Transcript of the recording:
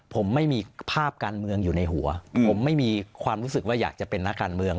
ผมไม่มีภาพการเมืองอยู่ในหัวผมไม่มีความรู้สึกว่าอยากจะเป็นนักการเมือง